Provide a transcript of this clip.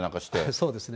そうですね。